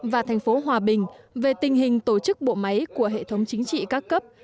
và thành phố hòa bình về tình hình tổ chức bộ máy của hệ thống chính trị các cấp